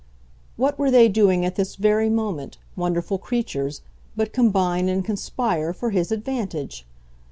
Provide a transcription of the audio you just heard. What were they doing at this very moment, wonderful creatures, but combine and conspire for his advantage?